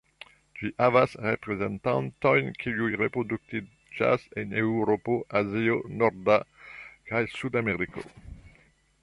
Ĝi havas reprezentantojn kiuj reproduktiĝas en Eŭropo, Azio, Norda, kaj Sud-Ameriko.